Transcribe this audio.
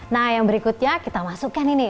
nah yang berikutnya kita masukkan ini